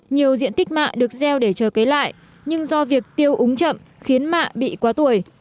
nhiều diện tích mạ được gieo để chờ kế lại nhưng do việc tiêu úng chậm khiến mạ bị quá tuổi